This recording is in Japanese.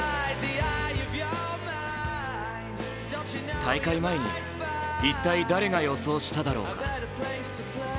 大会前に一体誰が予想しただろうか。